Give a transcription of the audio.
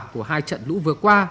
của hai trận lũ vừa qua